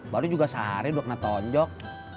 baru juga sehari udah kena tonjok